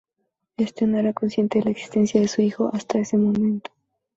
Este no era consciente de la existencia de su hijo hasta ese momento.